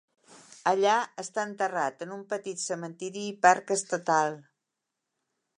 Allà està enterrat en un petit cementiri i parc estatal.